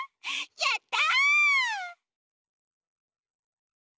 やった！